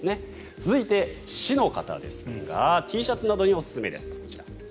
続いて四ノ型ですがＴシャツなどにおすすめです。